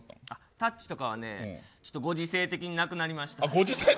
タッチとかはご時世的に、なくなりました。